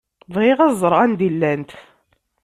Bɣiɣ ad ẓṛeɣ anda i llant.